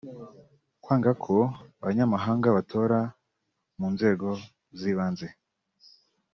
kwanga ko abanyamahanga batora mu nzego z’ibanze